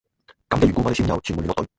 咁嘅緣故我哋先有傳媒聯絡隊